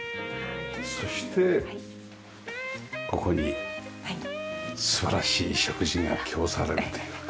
そしてここに素晴らしい食事が供されるというか。